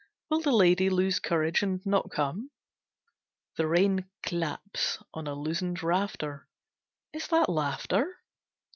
Will the lady lose courage and not come? The rain claps on a loosened rafter. Is that laughter?